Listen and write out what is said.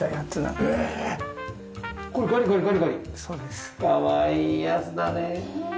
かわいいヤツだね。